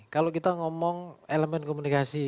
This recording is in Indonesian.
kalau kita ngomong elemen komunikasi